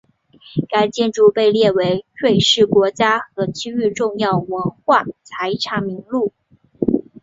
该建筑被列入瑞士国家和区域重要文化财产名录。